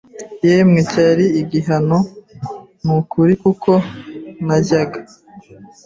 yemwe cyari igihano nukuri kuko najyaga